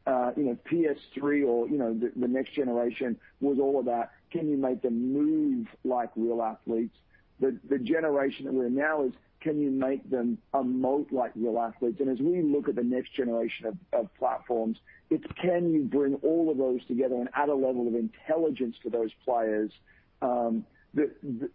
athlete? PS3 or the next generation was all about can you make them move like real athletes? The generation that we're in now is can you make them emote like real athletes? As we look at the next generation of platforms, it's can you bring all of those together and add a level of intelligence to those players that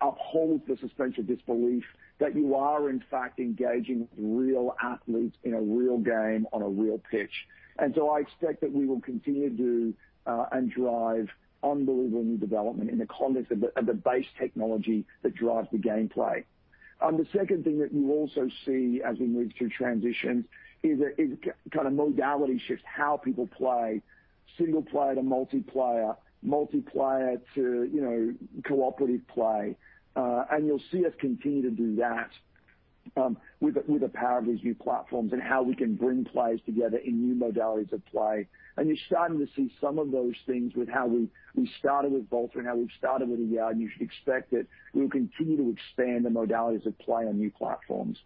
uphold the suspension of disbelief that you are in fact engaging with real athletes in a real game on a real pitch. I expect that we will continue to drive unbelievable new development in the context of the base technology that drives the gameplay. The second thing that you also see as we move through transitions is modality shifts, how people play single-player to multiplayer to cooperative play. You'll see us continue to do that with the power of these new platforms and how we can bring players together in new modalities of play. You're starting to see some of those things with how we started with Volta and how we've started with EA and you should expect that we'll continue to expand the modalities of play on new platforms.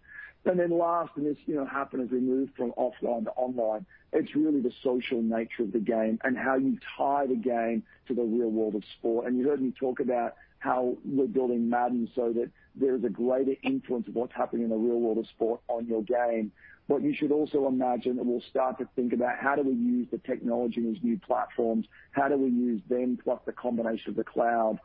Last, this happened as we moved from offline to online, it's really the social nature of the game and how you tie the game to the real world of sport. You heard me talk about how we're building Madden so that there is a greater influence of what's happening in the real world of sport on your game. You should also imagine that we'll start to think about how do we use the technology in these new platforms, how do we use them plus the combination of the cloud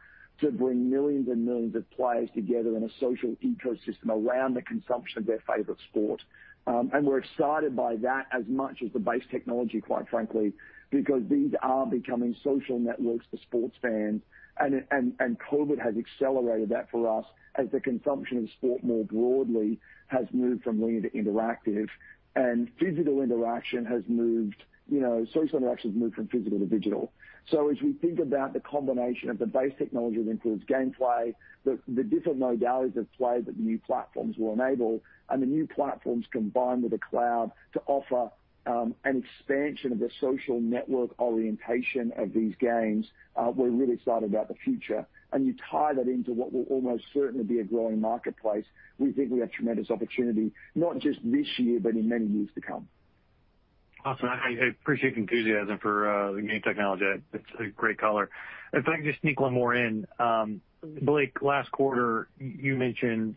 to bring millions and millions of players together in a social ecosystem around the consumption of their favorite sport. We're excited by that as much as the base technology, quite frankly, because these are becoming social networks for sports fans, and COVID has accelerated that for us as the consumption of sport more broadly has moved from linear to interactive, and social interaction has moved from physical to digital. As we think about the combination of the base technology that includes gameplay, the different modalities of play that the new platforms will enable, and the new platforms combined with the cloud to offer an expansion of the social network orientation of these games, we're really excited about the future. You tie that into what will almost certainly be a growing marketplace. We think we have tremendous opportunity, not just this year, but in many years to co Awesome. I appreciate the enthusiasm for the new technology. It's a great color. If I can just sneak one more in. Blake, last quarter, you mentioned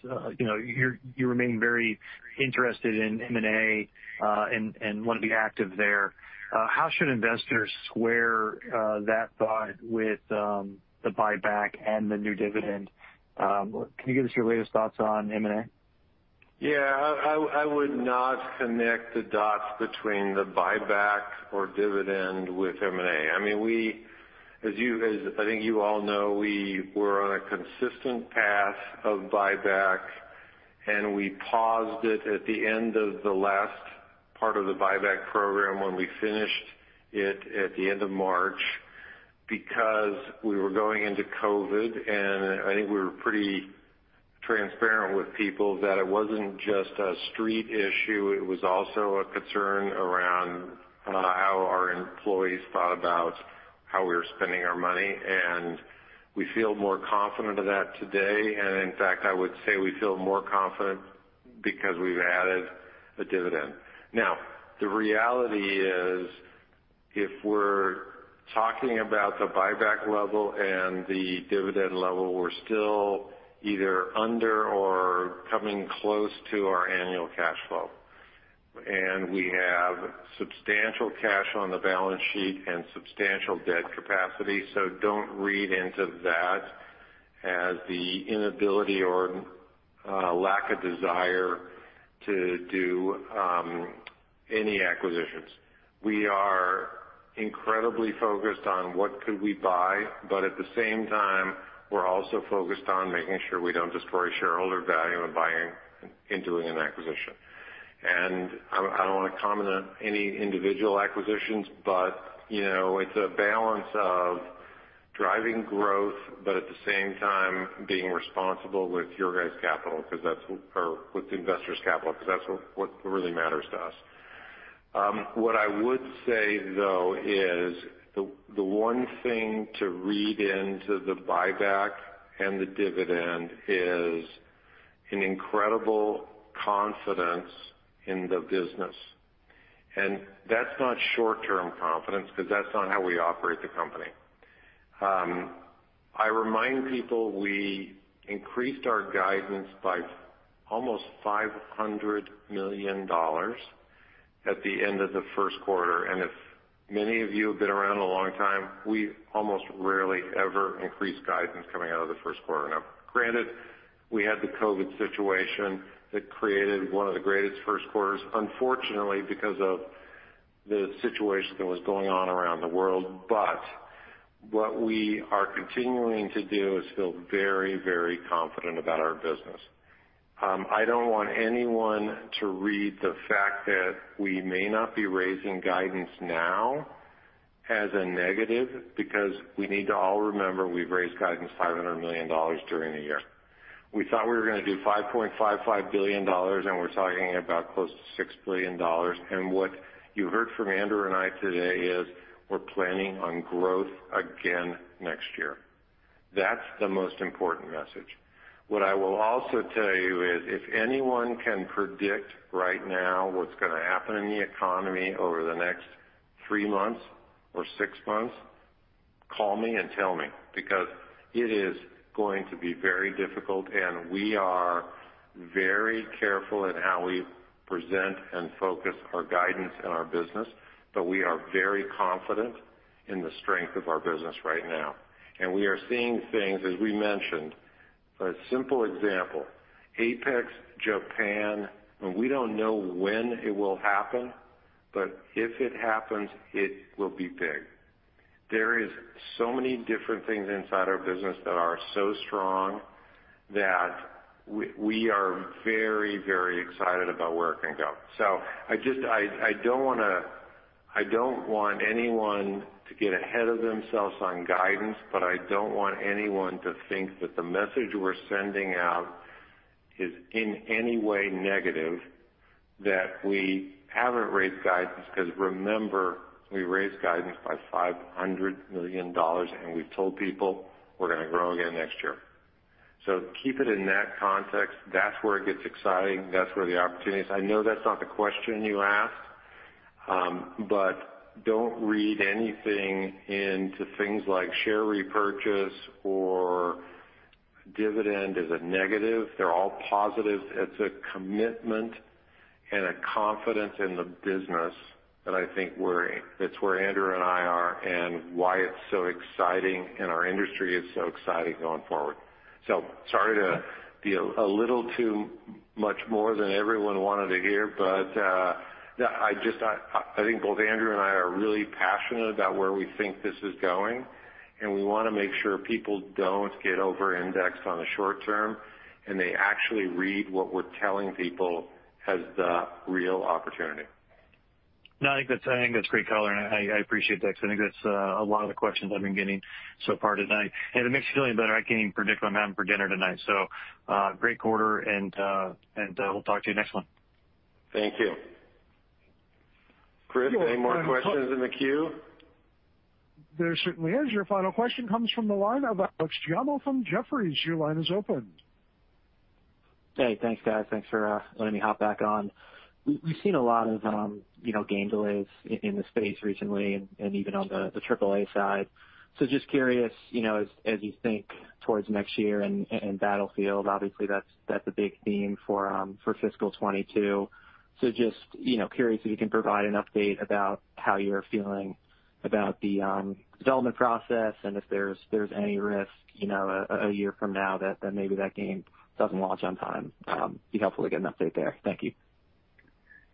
you remain very interested in M&A and want to be active there. How should investors square that thought with the buyback and the new dividend? Can you give us your latest thoughts on M&A? Yeah. I would not connect the dots between the buyback or dividend with M&A. As I think you all know, we were on a consistent path of buyback, and we paused it at the end of the last part of the buyback program when we finished it at the end of March because we were going into COVID. I think we were pretty transparent with people that it wasn't just a Street issue, it was also a concern around how our employees thought about how we were spending our money. We feel more confident of that today. In fact, I would say we feel more confident because we've added a dividend. Now, the reality is, if we're talking about the buyback level and the dividend level, we're still either under or coming close to our annual cash flow. We have substantial cash on the balance sheet and substantial debt capacity. Don't read into that as the inability or lack of desire to do any acquisitions. We are incredibly focused on what could we buy, but at the same time, we're also focused on making sure we don't destroy shareholder value in doing an acquisition. I don't want to comment on any individual acquisitions, but it's a balance of driving growth, but at the same time, being responsible with your guys' capital, or with the investors' capital, because that's what really matters to us. What I would say, though, is the one thing to read into the buyback and the dividend is an incredible confidence in the business. That's not short-term confidence, because that's not how we operate the company. I remind people we increased our guidance by almost $500 million at the end of the first quarter. If many of you have been around a long time, we almost rarely ever increase guidance coming out of the first quarter. Now, granted, we had the COVID situation that created one of the greatest first quarters, unfortunately, because of the situation that was going on around the world. What we are continuing to do is feel very confident about our business. I don't want anyone to read the fact that we may not be raising guidance now as a negative, because we need to all remember we've raised guidance $500 million during the year. We thought we were going to do $5.55 billion, and we're talking about close to $6 billion. What you heard from Andrew and I today is we're planning on growth again next year. That's the most important message. What I will also tell you is, if anyone can predict right now what's going to happen in the economy over the next three months or six months, call me and tell me, because it is going to be very difficult, and we are very careful in how we present and focus our guidance and our business. We are very confident in the strength of our business right now. We are seeing things, as we mentioned. A simple example, Apex, Japan. We don't know when it will happen, but if it happens, it will be big. There is so many different things inside our business that are so strong that we are very excited about where it can go. I don't want anyone to get ahead of themselves on guidance, but I don't want anyone to think that the message we're sending out is in any way negative, that we haven't raised guidance. Remember, we raised guidance by $500 million, and we've told people we're going to grow again next year. Keep it in that context. That's where it gets exciting. That's where the opportunity is. I know that's not the question you asked, but don't read anything into things like share repurchase or dividend as a negative. They're all positive. It's a commitment and a confidence in the business that I think it's where Andrew and I are, and why it's so exciting, and our industry is so exciting going forward. Sorry to be a little too much more than everyone wanted to hear, but I think both Andrew and I are really passionate about where we think this is going, and we want to make sure people don't get over-indexed on the short term, and they actually read what we're telling people as the real opportunity. I think that's great color, and I appreciate that because I think that's a lot of the questions I've been getting so far tonight. If it makes you feel any better, I can't even predict what I'm having for dinner tonight. Great quarter, and we'll talk to you next month. Thank you. Chris, any more questions in the queue? There certainly is. Your final question comes from the line of Alex Giaimo from Jefferies. Your line is open. Hey, thanks guys. Thanks for letting me hop back on. We've seen a lot of game delays in the space recently, and even on the AAA side. Just curious, as you think towards next year and Battlefield, obviously that's a big theme for FY 2022. Just curious if you can provide an update about how you're feeling about the development process and if there's any risk a year from now that maybe that game doesn't launch on time. It'd be helpful to get an update there. Thank you.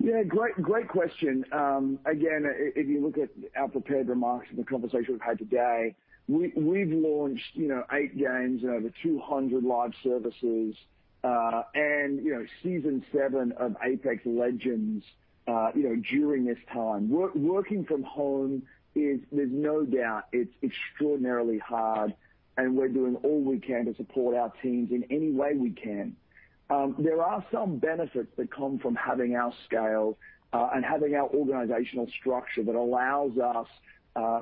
Yeah, great question. Again, if you look at our prepared remarks and the conversation we've had today, we've launched eight games and over 200 live services, and Season 7 of Apex Legends during this time. Working from home, there's no doubt it's extraordinarily hard, and we're doing all we can to support our teams in any way we can. There are some benefits that come from having our scale and having our organizational structure that allows us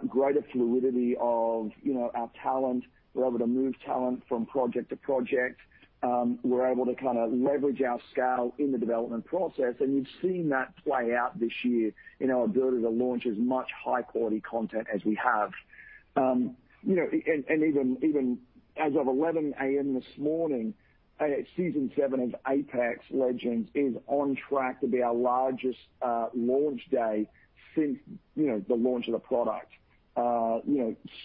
greater fluidity of our talent. We're able to move talent from project to project. You've seen that play out this year in our ability to launch as much high-quality content as we have. Even as of 11:00 A.M. this morning, Season 7 of Apex Legends is on track to be our largest launch day since the launch of the product.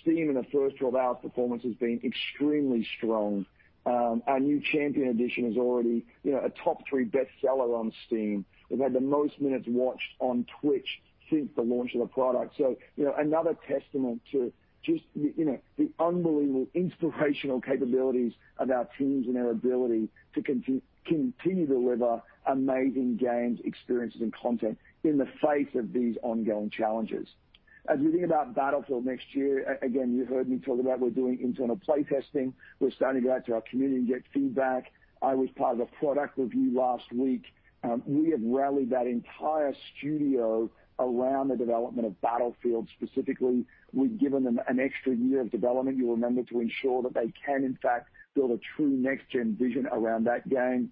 Steam in the first 12 hours performance has been extremely strong. Our new Champion Edition is already a top three bestseller on Steam. We've had the most minutes watched on Twitch since the launch of the product. Another testament to just the unbelievable inspirational capabilities of our teams and our ability to continue to deliver amazing games, experiences, and content in the face of these ongoing challenges. As we think about Battlefield next year, again, you heard me talk about we're doing internal play testing. We're starting to go out to our community and get feedback. I was part of a product review last week. We have rallied that entire studio around the development of Battlefield specifically. We've given them an extra year of development, you'll remember, to ensure that they can in fact build a true next-gen vision around that game.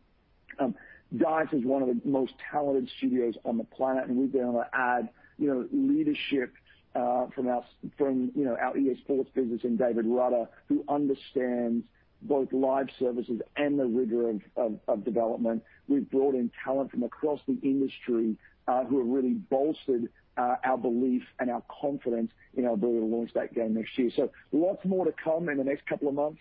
DICE is one of the most talented studios on the planet, and we've been able to add leadership from our EA Sports business in David Rutter, who understands both live services and the rigor of development. We've brought in talent from across the industry who have really bolstered our belief and our confidence in our ability to launch that game next year. Lots more to come in the next couple of months.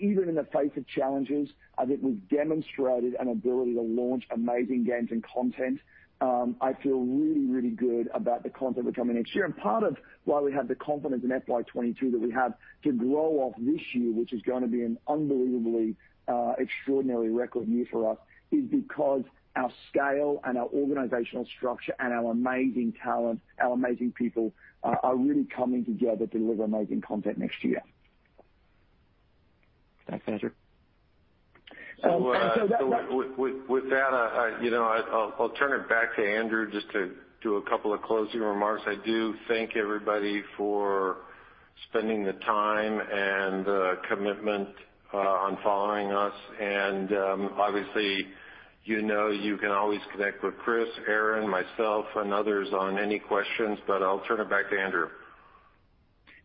Even in the face of challenges, I think we've demonstrated an ability to launch amazing games and content. I feel really, really good about the content we're coming next year. Part of why we have the confidence in FY 2022 that we have to grow off this year, which is going to be an unbelievably extraordinary record year for us, is because our scale and our organizational structure and our amazing talent, our amazing people are really coming together to deliver amazing content next year. Thanks, Andrew. And so that With that, I'll turn it back to Andrew just to do a couple of closing remarks. I do thank everybody for spending the time and commitment on following us. Obviously, you know you can always connect with Chris, Erin, myself and others on any questions. I'll turn it back to Andrew.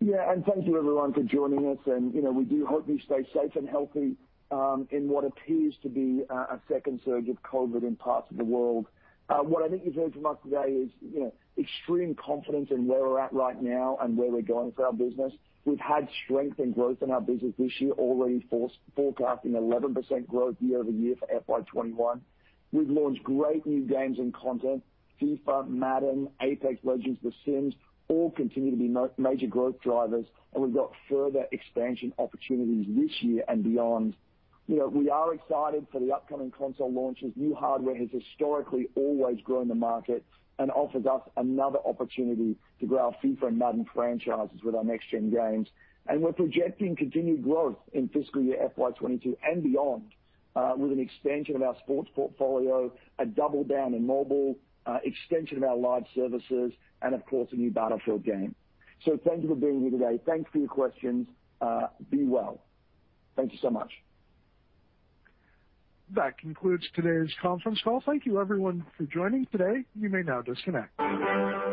Yeah, thank you everyone for joining us, and we do hope you stay safe and healthy in what appears to be a second surge of COVID in parts of the world. What I think you've heard from us today is extreme confidence in where we're at right now and where we're going for our business. We've had strength and growth in our business this year, already forecasting 11% growth year-over-year for FY 2021. We've launched great new games and content. FIFA, Madden, Apex Legends, The Sims all continue to be major growth drivers, and we've got further expansion opportunities this year and beyond. We are excited for the upcoming console launches. New hardware has historically always grown the market and offers us another opportunity to grow our FIFA and Madden franchises with our next-gen games. We're projecting continued growth in fiscal year FY 2022 and beyond with an expansion of our sports portfolio, a double down in mobile, extension of our live services, and of course, a new Battlefield game. Thank you for being here today. Thanks for your questions. Be well. Thank you so much. That concludes today's conference call. Thank you everyone for joining today. You may now disconnect.